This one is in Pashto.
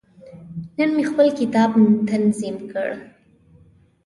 نن مې خپل کتاب تنظیم کړ.